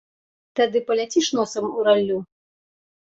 Тады паляціш носам у раллю.